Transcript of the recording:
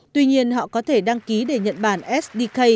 tuy nhiên họ có thể đăng ký để nhật bản sdk